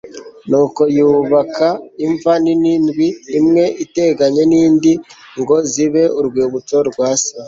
nuko yubaka imva nini ndwi, imwe iteganye n'indi, ngo zibe urwibutso rwa se